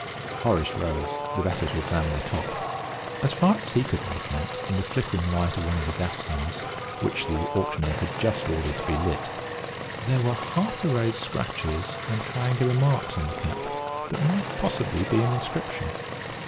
Horace rose, the better to examine the top. As far as he could make out in the flickering light of one of the gas stars, which the auctioneer had just ordered to be lit, there were half erased scratches and triangular marks on the cap that might possibly be an inscription.